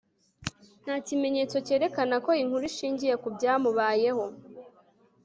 nta kimenyetso cyerekana ko inkuru ishingiye ku byamubayeho